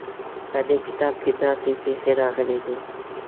په دې کتاب کې داسې پېښې راغلې دي.